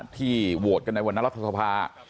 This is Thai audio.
ที่โหวตกันในวันนั้นรัฐสภา